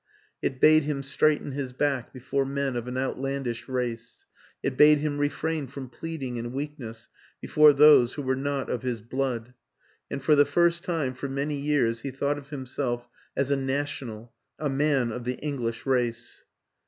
It bade him straighten his back before men of an out landish race, it bade him refrain from pleading and weakness before those who were not of his blood; and for the first time for many years he thought of himself as a national, a man of the English race.